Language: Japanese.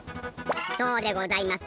そうでございます。